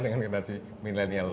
dengan generasi millennial